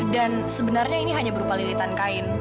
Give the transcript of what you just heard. sebenarnya ini hanya berupa lilitan kain